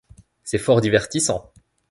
C’est fort divertissant.